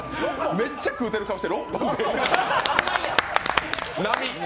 めっちゃ食うてる顔して６本って並。